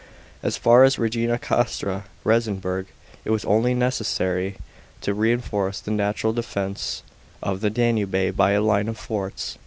§ 12. As far as Regina Castra (Regensburg) it was only necessary to reinforce the natural defence of the Danube by a line of forts.